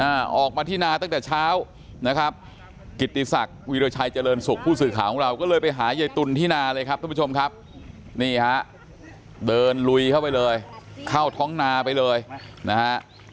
อ่าออกมาที่นาตั้งแต่เช้านะครับกิติศักดิ์วีรชัยเจริญสุขผู้สื่อข่าวของเราก็เลยไปหายายตุลที่นาเลยครับทุกผู้ชมครับนี่ฮะเดินลุยเข้าไปเลยเข้าท้องนาไปเลยนะฮะ